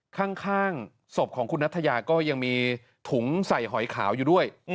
ข้างศพของคุณนัทยาก็ยังมีถุงใส่หอยขาวอยู่ด้วย